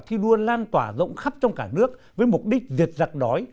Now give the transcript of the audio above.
thi đua lan tỏa rộng khắp trong cả nước với mục đích diệt giặc đói